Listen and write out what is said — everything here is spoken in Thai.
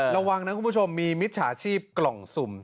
ระวังนะคุณผู้ชมมีมิจฉาชีพกล่องสุ่ม